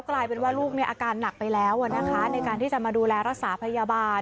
กลายเป็นว่าลูกอาการหนักไปแล้วนะคะในการที่จะมาดูแลรักษาพยาบาล